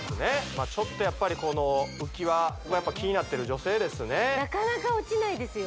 まあちょっとやっぱりこの浮き輪やっぱ気になってる女性ですねなかなか落ちないですよ・